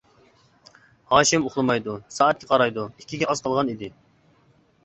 ھاشىم ئۇخلىمايدۇ، سائەتكە قارايدۇ، ئىككىگە ئاز قالغان ئىدى.